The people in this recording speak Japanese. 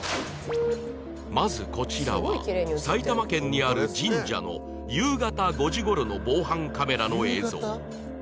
まずこちらは埼玉県にある神社の夕方５時頃の防犯カメラの映像